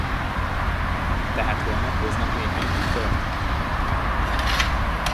Tehát holnap hoznak néhány bútort?